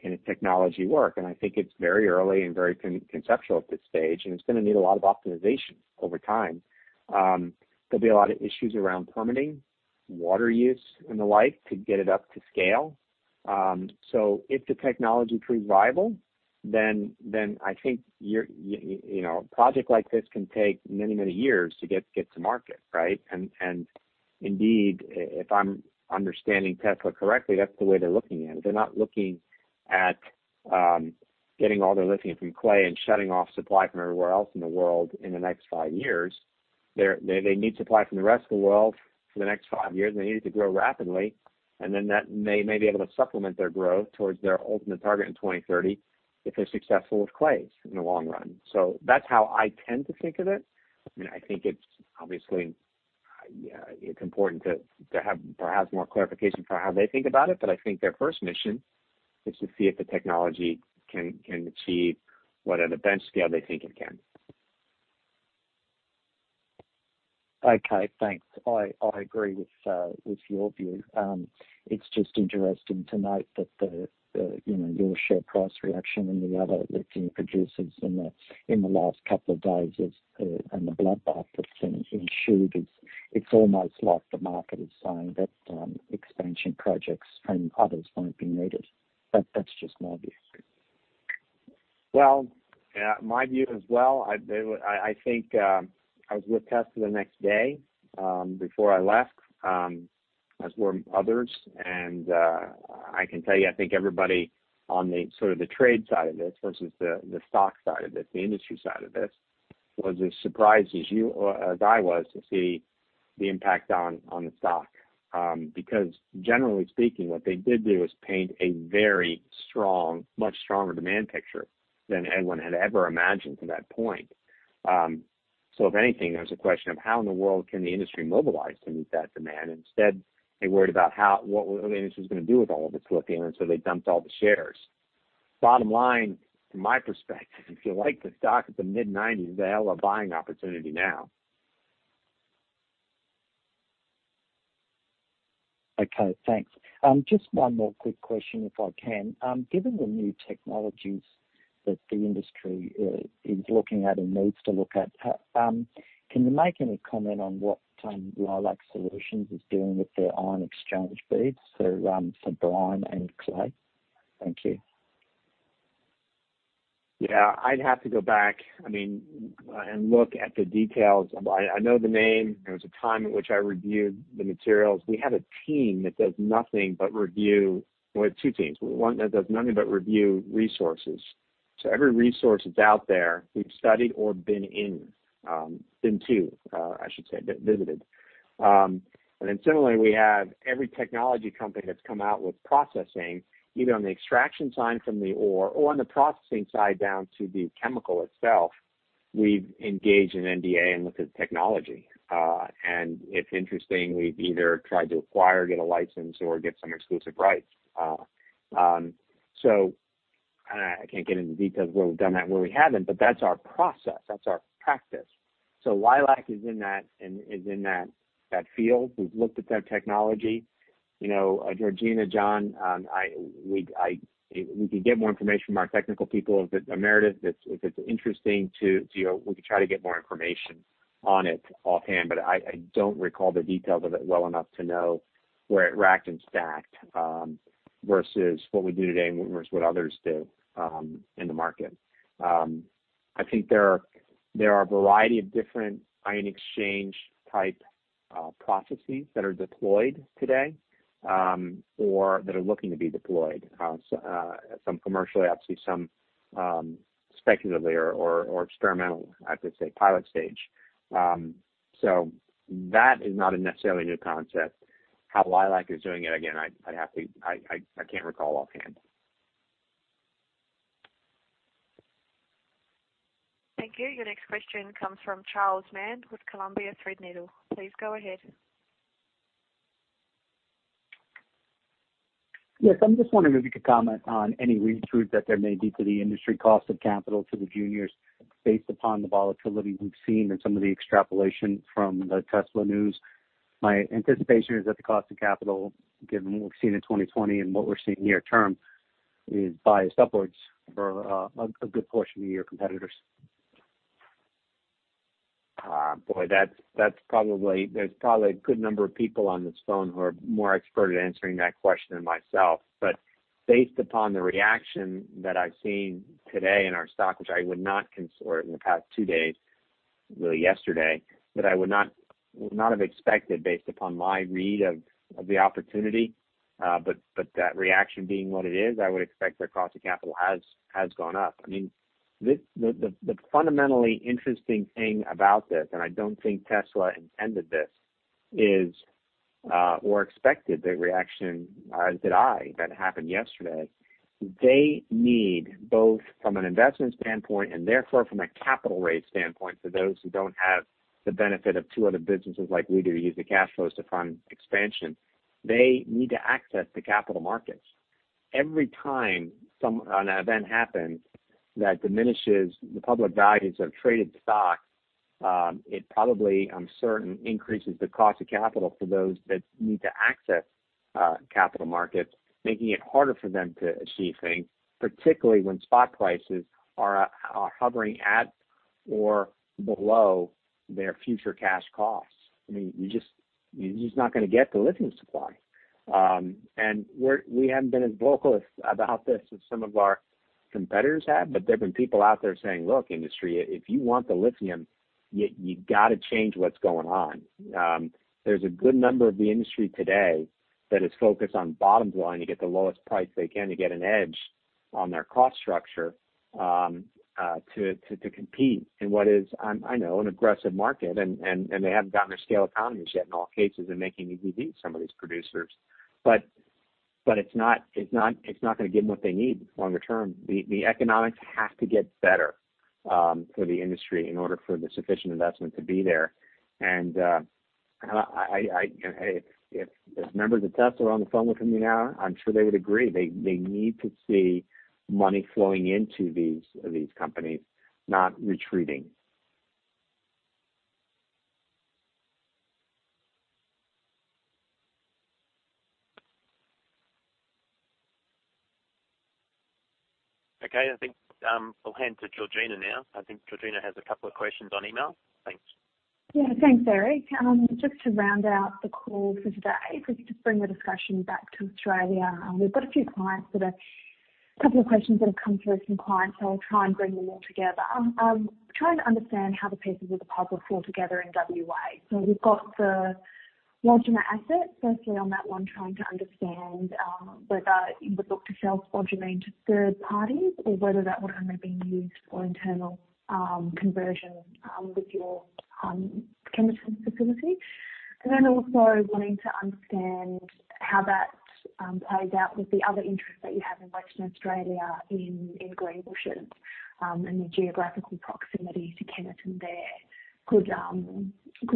can the technology work? I think it's very early and very conceptual at this stage, and it's going to need a lot of optimization over time. There'll be a lot of issues around permitting, water use, and the like to get it up to scale. If the technology proves viable, then I think a project like this can take many, many years to get to market, right? Indeed, if I'm understanding Tesla correctly, that's the way they're looking at it. They are not looking at getting all their lithium from clay and shutting off supply from everywhere else in the world in the next five years. They need supply from the rest of the world for the next five years. They need it to grow rapidly. They may be able to supplement their growth towards their ultimate target in 2030 if they are successful with clays in the long run. That is how I tend to think of it. I think it is obviously important to have perhaps more clarification for how they think about it. I think their first mission is to see if the technology can achieve what at a bench scale they think it can. Okay, thanks. I agree with your view. It's just interesting to note that your share price reaction and the other lithium producers in the last couple of days is, and the bloodbath that's ensued is, it's almost like the market is saying that expansion projects and others won't be needed. That's just my view. Well, my view as well, I was with Tesla the next day before I left as were others, and I can tell you, I think everybody on the trade side of this versus the stock side of this, the industry side of this, was as surprised as I was to see the impact on the stock. Generally speaking, what they did do is paint a very strong, much stronger demand picture than anyone had ever imagined to that point. If anything, there's a question of how in the world can the industry mobilize to meet that demand? Instead, they worried about what the industry was going to do with all of its lithium, they dumped all the shares. Bottom line, from my perspective, if you like the stock at the mid-90s, they have a buying opportunity now. Thanks. Just one more quick question, if I can. Given the new technologies that the industry is looking at and needs to look at, can you make any comment on what Lilac Solutions is doing with their ion exchange beads for brine and clay? Thank you. Yeah, I'd have to go back and look at the details. I know the name. There was a time at which I reviewed the materials. We have a team that does nothing but review. We have two teams, one that does nothing but review resources. Every resource that's out there, we've studied or been in, been to, I should say, visited. Similarly, we have every technology company that's come out with processing, either on the extraction side from the ore or on the processing side down to the chemical itself, we've engaged in NDA and looked at the technology. If interesting, we've either tried to acquire, get a license, or get some exclusive rights. I can't get into details where we've done that and where we haven't. That's our process, that's our practice. Lilac is in that field. We've looked at their technology. Georgina, John, we can get more information from our technical people, if it's interesting to you, we could try to get more information on it offhand. I don't recall the details of it well enough to know where it racked and stacked, versus what we do today and versus what others do in the market. I think there are a variety of different ion exchange type processes that are deployed today, or that are looking to be deployed, some commercially, obviously some speculatively or experimental, I'd say pilot stage. That is not a necessarily new concept. How Lilac is doing it, again, I can't recall offhand. Thank you. Your next question comes from Charles Mann with Columbia Threadneedle. Please go ahead. Yes. I'm just wondering if you could comment on any read-throughs that there may be to the industry cost of capital to the juniors based upon the volatility we've seen and some of the extrapolation from the Tesla news. My anticipation is that the cost of capital, given what we've seen in 2020 and what we're seeing near term, is biased upwards for a good portion of your competitors. Boy, there's probably a good number of people on this phone who are more expert at answering that question than myself. Based upon the reaction that I've seen today in our stock, which I would not consider in the past two days, really yesterday, that I would not have expected based upon my read of the opportunity. That reaction being what it is, I would expect their cost of capital has gone up. The fundamentally interesting thing about this, and I don't think Tesla intended this, is or expected the reaction, as did I, that happened yesterday. They need both from an investment standpoint and therefore from a capital raise standpoint for those who don't have the benefit of two other businesses like we do, to use the cash flows to fund expansion. They need to access the capital markets. Every time an event happens that diminishes the public values of traded stocks, it probably, I'm certain, increases the cost of capital for those that need to access capital markets, making it harder for them to achieve things, particularly when spot prices are hovering at or below their future cash costs. You're just not going to get the lithium supply. We haven't been as vocal about this as some of our competitors have, but there have been people out there saying, "Look, industry, if you want the lithium, you got to change what's going on." There's a good number of the industry today that is focused on bottom line to get the lowest price they can to get an edge on their cost structure, to compete in what is, I know, an aggressive market, and they haven't gotten their scale economies yet in all cases in making EVs, some of these producers. It's not going to give them what they need longer term. The economics have to get better for the industry in order for the sufficient investment to be there. If members of Tesla are on the phone with me now, I'm sure they would agree. They need to see money flowing into these companies, not retreating. Okay. I think we'll hand to Georgina now. I think Georgina has a couple of questions on email. Thanks. Yeah, thanks, Eric. Just to round out the call for today, just to bring the discussion back to Australia. We've got a few clients that are couple of questions that have come through from clients, I'll try and bring them all together. I'm trying to understand how the pieces of the puzzle fall together in WA. We've got the Wodgina asset, firstly on that one, trying to understand whether you would look to sell spodumene to third parties or whether that would only be used for internal conversion with your Kemerton facility. Also wanting to understand how that plays out with the other interest that you have in Western Australia in Greenbushes, and the geographical proximity to Kemerton there. Could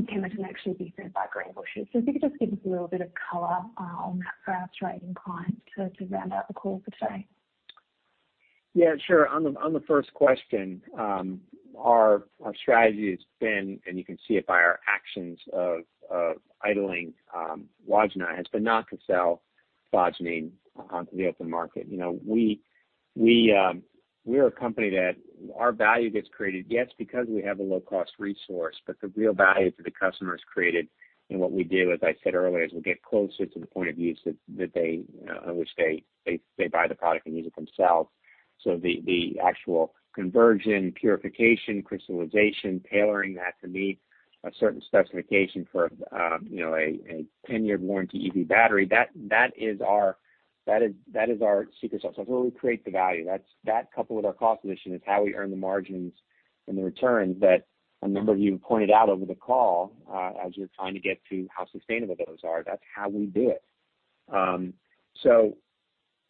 Kemerton actually be fed by Greenbushes? If you could just give us a little bit of color on that for our Australian clients to round out the call for today. Yeah, sure. On the first question, our strategy has been, and you can see it by our actions of idling Wodgina, has been not to sell spodumene onto the open market. We are a company that our value gets created, yes, because we have a low-cost resource, but the real value to the customer is created in what we do, as I said earlier, as we get closer to the point of use on which they buy the product and use it themselves. The actual conversion, purification, crystallization, tailoring that to meet a certain specification for a 10-year warranty EV battery. That is our secret sauce. That's where we create the value. That, coupled with our cost position, is how we earn the margins and the returns that a number of you pointed out over the call as you're trying to get to how sustainable those are. That's how we do it.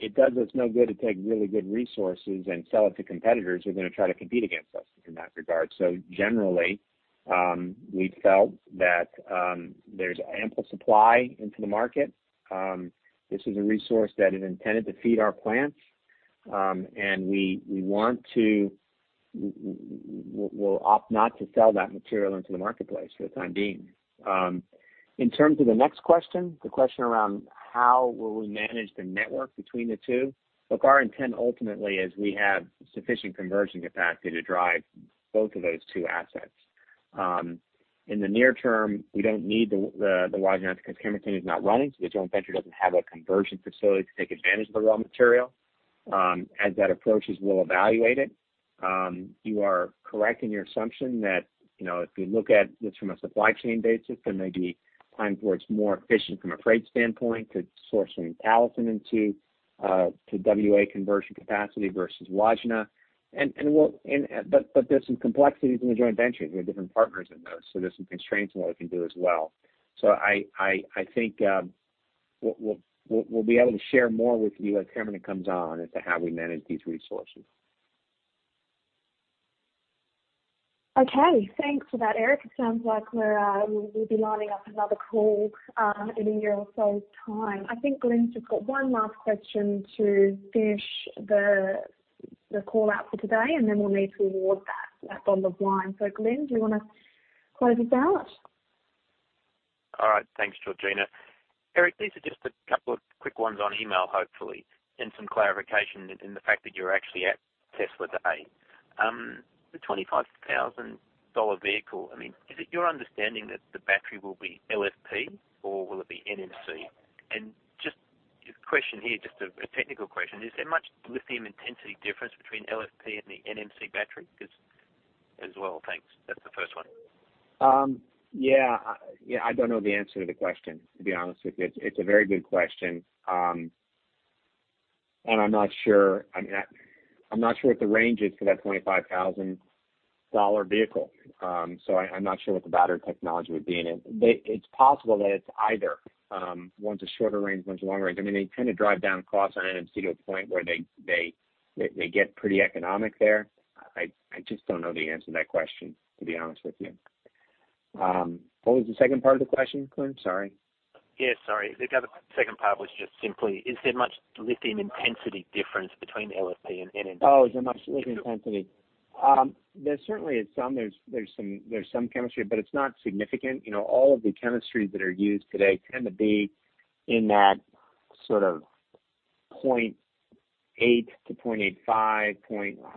It does us no good to take really good resources and sell it to competitors who are going to try to compete against us in that regard. Generally, we felt that there's ample supply into the market. This is a resource that is intended to feed our plants. We'll opt not to sell that material into the marketplace for the time being. In terms of the next question, the question around how will we manage the network between the two. Look, our intent ultimately is we have sufficient conversion capacity to drive both of those two assets. In the near term, we don't need the Wodgina because Kemerton is not running, so the joint venture doesn't have a conversion facility to take advantage of the raw material. As that approaches, we'll evaluate it. You are correct in your assumption that if you look at this from a supply chain basis, there may be times where it's more efficient from a freight standpoint to source some Talison into W.A. conversion capacity versus Wodgina. There's some complexities in the joint ventures. We have different partners in those, so there's some constraints on what we can do as well. I think we'll be able to share more with you as Kemerton comes on as to how we manage these resources. Okay. Thanks for that, Eric. It sounds like we'll be lining up another call in a year or so time. I think Glyn's just got one last question to finish the call out for today. We'll need to award that bottle of wine. Glyn, do you want to close us out? All right. Thanks, Georgina. Eric, these are just a couple of quick ones on email, hopefully, and some clarification in the fact that you're actually at Tesla today. The $25,000 vehicle, is it your understanding that the battery will be LFP or will it be NMC? Just a question here, just a technical question. Is there much lithium intensity difference between LFP and the NMC battery as well? Thanks. That's the first one. I don't know the answer to the question, to be honest with you. It's a very good question. I'm not sure what the range is for that $25,000 vehicle. I'm not sure what the battery technology would be in it. It's possible that it's either. One's a shorter range, one's a longer range. They tend to drive down costs on NMC to a point where they get pretty economic there. I just don't know the answer to that question, to be honest with you. What was the second part of the question, Glyn? Sorry. Yeah, sorry. The second part was just simply, is there much lithium intensity difference between LFP and NMC? Is there much lithium intensity? There certainly is some. There's some chemistry, but it's not significant. All of the chemistries that are used today tend to be in that sort of 0.8 to 0.85,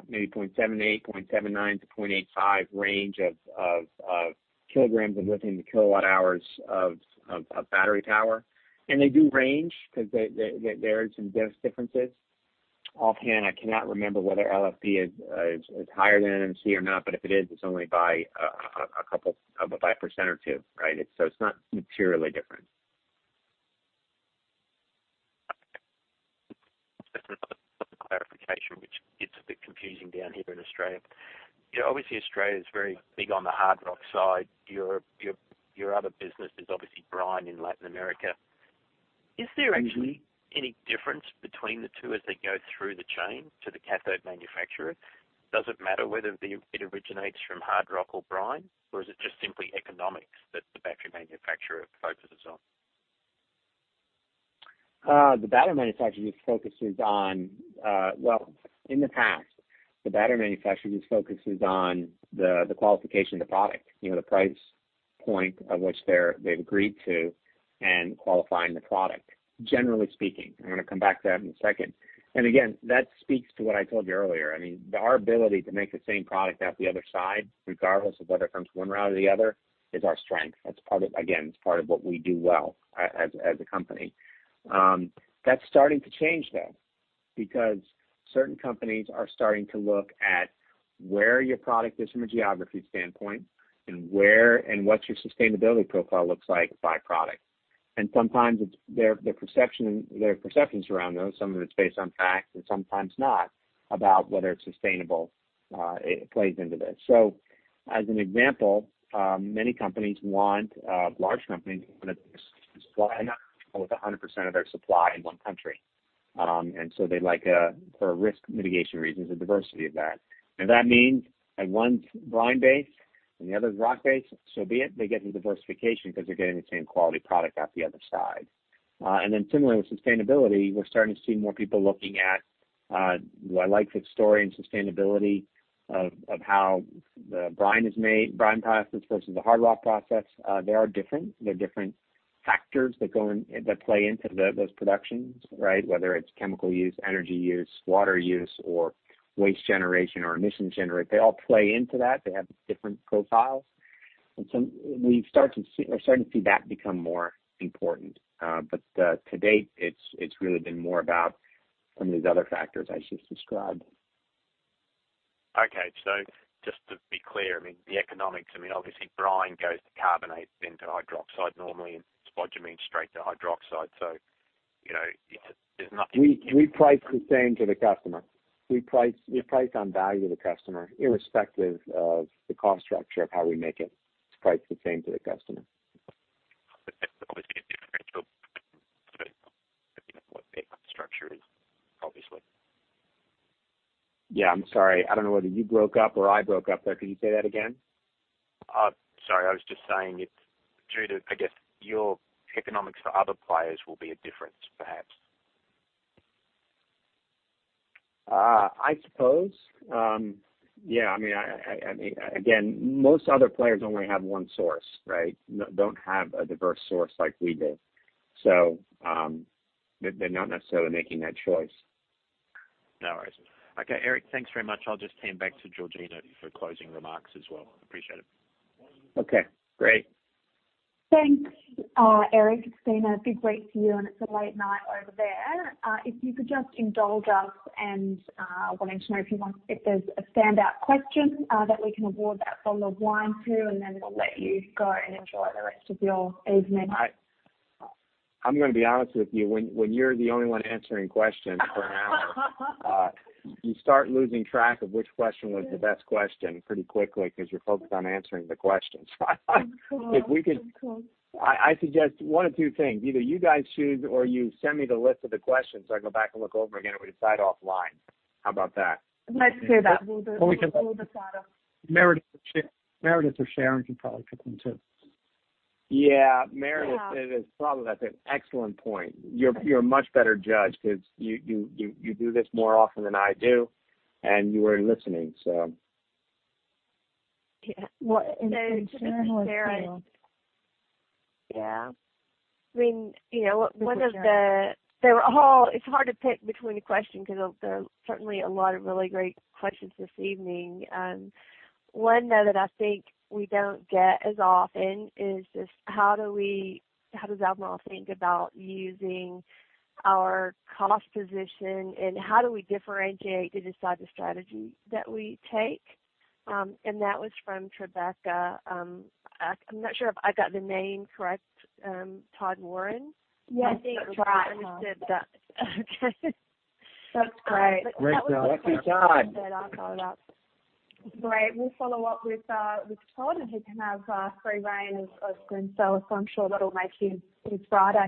maybe 0.78, 0.79 to 0.85 range of kilograms of lithium to kilowatt hours of battery power. They do range because there are some differences. Offhand, I cannot remember whether LFP is higher than NMC or not, but if it is, it's only by a couple, by a 1% or 2%, right? It's not materially different. Just another clarification, which gets a bit confusing down here in Australia. Obviously, Australia is very big on the hard rock side. Your other business is obviously brine in Latin America. Is there actually any difference between the two as they go through the chain to the cathode manufacturer? Does it matter whether it originates from hard rock or brine? Is it just simply economics that the battery manufacturer focuses on? The battery manufacturer just focuses on, well, in the past, the battery manufacturer just focuses on the qualification of the product, the price point of which they've agreed to and qualifying the product. Generally speaking, I'm going to come back to that in a second. Again, that speaks to what I told you earlier. Our ability to make the same product out the other side, regardless of whether it comes one route or the other, is our strength. Again, it's part of what we do well as a company. That's starting to change, though, because certain companies are starting to look at where your product is from a geography standpoint and what your sustainability profile looks like by product. Sometimes their perceptions around those, some of it's based on facts and sometimes not, about whether it's sustainable, it plays into this. As an example, many large companies want to supply with 100% of their supply in one country. They like, for risk mitigation reasons, the diversity of that. That means if one's brine-based and the other's rock-based, so be it. They get the diversification because they're getting the same quality product out the other side. Then similarly with sustainability, we're starting to see more people looking at the life story and sustainability of how the brine process versus the hard rock process. They are different. There are different factors that play into those productions, right? Whether it's chemical use, energy use, water use, or waste generation or emission generation. They all play into that. They have different profiles. We're starting to see that become more important. To date, it's really been more about some of these other factors I just described. Okay. Just to be clear, the economics, obviously brine goes to carbonate then to hydroxide normally, and spodumene straight to hydroxide. We price the same to the customer. We price on value to the customer, irrespective of the cost structure of how we make it. It's priced the same to the customer. There's always going to be a differential depending on what the economic structure is, obviously. Yeah, I'm sorry. I don't know whether you broke up or I broke up there. Could you say that again? Sorry, I was just saying it's due to, I guess, your economics for other players will be a difference, perhaps. I suppose. Yeah. Again, most other players only have one source, right? Don't have a diverse source like we do. They're not necessarily making that choice. No worries. Okay, Eric, thanks very much. I'll just hand back to Georgina for closing remarks as well. Appreciate it. Okay, great. Thanks, Eric. It's been a big week for you, and it's a late night over there. If you could just indulge us and wanting to know if there's a standout question that we can award that bottle of wine to, then we'll let you go and enjoy the rest of your evening. I'm going to be honest with you, when you're the only one answering questions for an hour, you start losing track of which question was the best question pretty quickly because you're focused on answering the questions. Of course. I suggest one of two things. Either you guys choose or you send me the list of the questions so I go back and look over again and we decide offline. How about that? Let's do that. We'll decide. Meredith or Sharon can probably pick them, too. Yeah. Meredith, that's an excellent point. You're a much better judge because you do this more often than I do, and you were listening. Yeah. Well, Sharon was too. It's hard to pick between the questions because there were certainly a lot of really great questions this evening. One, though, that I think we don't get as often is just how does Albemarle think about using our cost position and how do we differentiate to decide the strategy that we take? That was from Tribeca. I'm not sure if I got the name correct, Todd Warren. Yes, that's right. I think Tribeca said that. That's great. Great. No, that's from Todd. Great. We'll follow up with Todd, and he can have free rein of Glyn Lawcock, so I'm sure that'll make his Friday.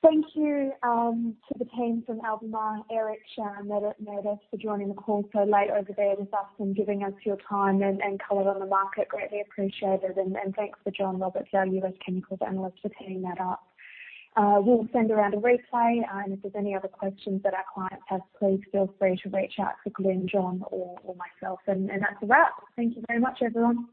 Thank you to the team from Albemarle, Eric, Sharon, Meredith, for joining the call so late over there this afternoon, giving us your time and color on the market. Greatly appreciated. Thanks to John Roberts, our U.S. chemicals analyst, for teeing that up. We'll send around a replay, if there's any other questions that our clients have, please feel free to reach out to Glyn, John, or myself. That's a wrap. Thank you very much, everyone.